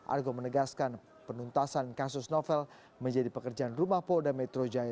argo menegaskan penuntasan kasus novel menjadi pekerjaan rumah polda metro jaya